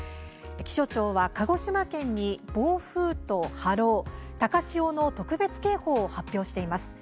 気象庁は鹿児島県に暴風と波浪高潮の特別警報を発表しています。